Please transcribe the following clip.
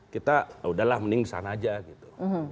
kita ya udahlah mending sana aja gitu